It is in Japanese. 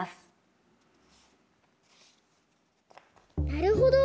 なるほど！